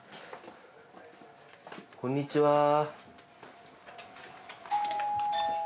こんにちは。